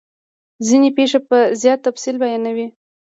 ځیني پیښې په زیات تفصیل بیانوي.